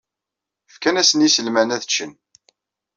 Fkan-asen i yiselman ad ččen.